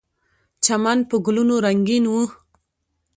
چمن په ګلونو رنګین و.